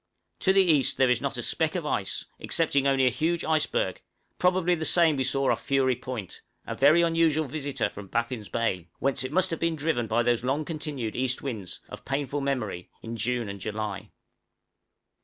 To the east there is not a speck of ice, excepting only a huge iceberg, probably the same we saw off Fury Point, a very unusual visitor from Baffin's Bay, whence it must have been driven by those long continued east winds (of painful memory) in June and July.